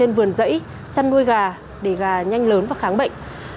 trên vườn dãy chăn nuôi gà để gà nhanh lớn và kháng bệnh